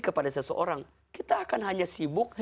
kepada seseorang kita akan hanya sibuk